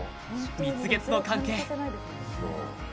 蜜月の関係。